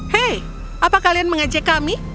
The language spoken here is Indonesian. hei apa kalian mengajak kami